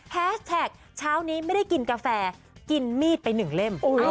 แฮชแท็กเช้านี้ไม่ได้กินกาแฟกินมีดไปหนึ่งเล่ม